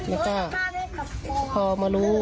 แล้วก็คงมารู้